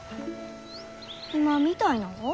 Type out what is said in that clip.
今みたいなが？